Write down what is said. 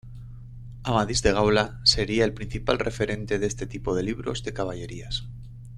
Amadís de Gaula sería el principal referente en este tipo de libros de caballerías.